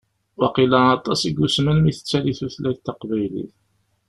Waqila aṭas i yusmen mi tettali tutlayt taqbaylit.